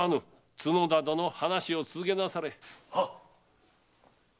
角田殿話を続けなされ。